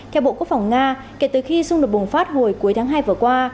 theo bộ quốc phòng nga kể từ khi xung đột bùng phát hồi cuối tháng hai vừa qua